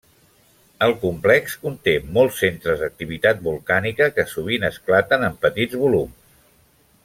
El complex conté molts centres d'activitat volcànica que sovint esclaten en petits volums.